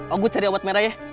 aku cari obat merah ya